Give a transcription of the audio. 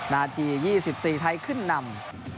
นาที๒๔ไทยขึ้นนำ